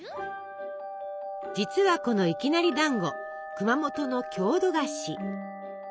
実はこのいきなりだんご熊本の郷土菓子。